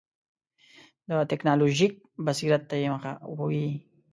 د ټکنالوژیک بصیرت ته یې مخه وي.